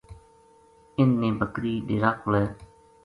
اِنھ نے بکری ڈیرا کولے